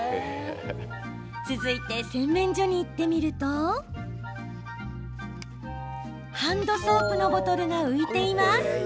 続いて、洗面所に行ってみるとハンドソープのボトルが浮いています。